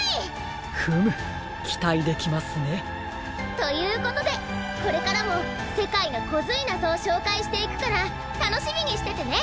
ということでこれからもせかいのコズいなぞをしょうかいしていくからたのしみにしててね！